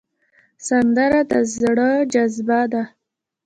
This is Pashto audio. سندره د زړه جذبه ده